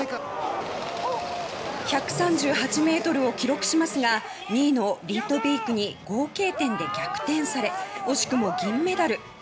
１３８ｍを記録しますが２位のリンドビークに合計点で逆転され惜しくも銀メダル。